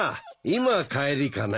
今帰りかね？